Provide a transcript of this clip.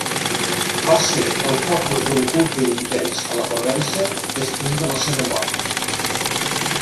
Va ser el focus d'un culte intens a la Provença després de la seva mort.